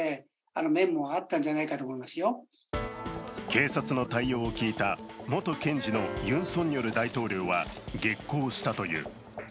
警察の対応を聞いた元検事のユン・ソンニョル大統領は激高したという。